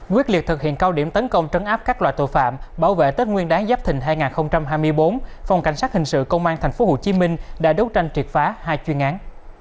quyết liệt thực hiện cao điểm tấn công trấn áp các loại tội phạm bảo vệ tết nguyên đáng giáp thình hai nghìn hai mươi bốn phòng cảnh sát hình sự công an tp hcm đã đấu tranh triệt phá hai chuyên án